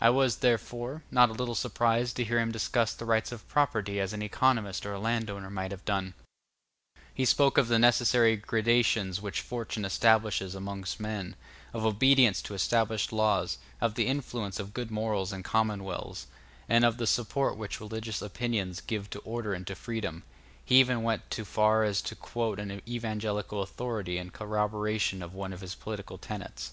I was, therefore, not a little surprised to hear him discuss the rights of property as an economist or a landowner might have done: he spoke of the necessary gradations which fortune establishes among men, of obedience to established laws, of the influence of good morals in commonwealths, and of the support which religious opinions give to order and to freedom; he even went to far as to quote an evangelical authority in corroboration of one of his political tenets.